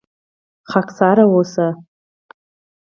خاکسار اوسئ